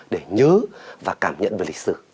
để nhớ và cảm nhận về lịch sử